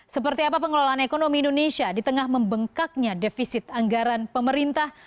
seperti apa pengelolaan ekonomi indonesia di tengah membengkaknya defisit anggaran pemerintah